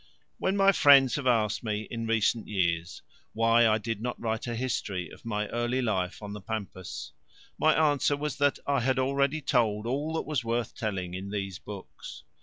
When my friends have asked me in recent years why I did not write a history of my early life on the pampas, my answer was that I had already told all that was worth telling in these books.